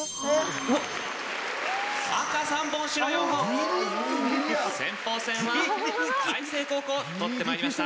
赤３本白４本先鋒戦は開成高校取ってまいりました。